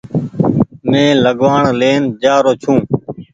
مينٚ لگوآڻ لين جآرو ڇوٚنٚ